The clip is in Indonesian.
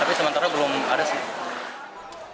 tapi sementara belum ada sih